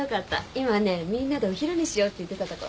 今ねみんなでお昼にしようって言ってたとこ。